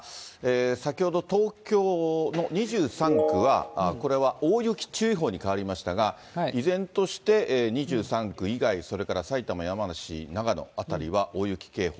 先ほど東京の２３区は、これは大雪注意報に変わりましたが、依然として、２３区以外、それから埼玉、山梨、長野辺りは大雪警報。